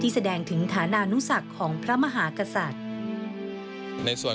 แสดงถึงฐานานุสักของพระมหากษัตริย์